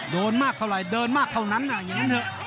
โดนมากเท่าไรเดินมากเท่านั้น